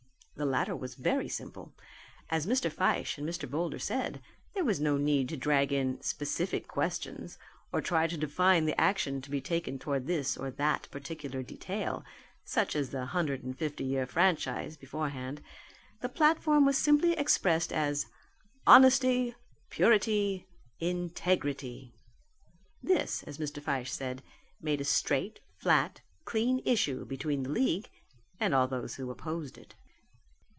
The latter was very simple. As Mr. Fyshe and Mr. Boulder said there was no need to drag in specific questions or try to define the action to be taken towards this or that particular detail, such as the hundred and fifty year franchise, beforehand. The platform was simply expressed as Honesty, Purity, Integrity. This, as Mr. Fyshe said, made a straight, flat, clean issue between the league and all who opposed it.